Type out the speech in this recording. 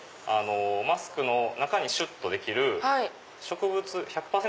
マスクの中にシュっとできる１００％